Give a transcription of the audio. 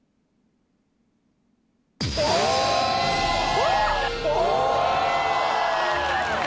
お！